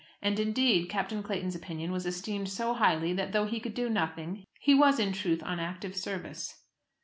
And, indeed, Captain Clayton's opinion was esteemed so highly, that, though he could do nothing, he was in truth on active service.